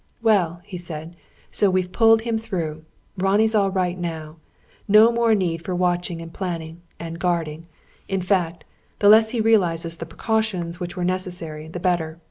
"Well," he said, "so we've pulled him through. Ronnie's all right now. No more need for watching and planning, and guarding; in fact, the less he realises the precautions which were necessary, the better.